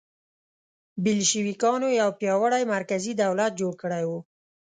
بلشویکانو یو پیاوړی مرکزي دولت جوړ کړی و